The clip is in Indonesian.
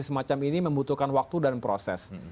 semacam ini membutuhkan waktu dan proses